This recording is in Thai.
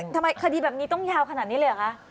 ทำไมคดีแบบนี้ต้องยาวขนาดนี้เลยเหรอคะ